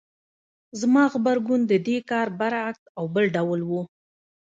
زما غبرګون د دې کار برعکس او بل ډول و.